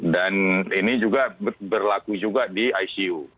dan ini juga berlaku juga di icu